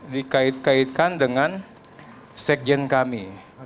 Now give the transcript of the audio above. dikait kaitkan dengan sekjen kami